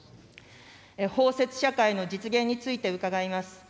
包摂社会の実現について伺います。